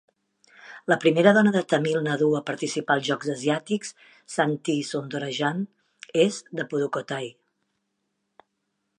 La primera dona de Tamil Nadu a participar als Jocs Asiàtics, Santhi Soundarajan, és de Pudukkottai.